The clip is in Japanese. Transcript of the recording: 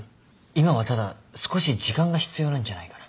今はただ少し時間が必要なんじゃないかな。